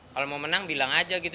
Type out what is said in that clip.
kalau mau menang bilang aja gitu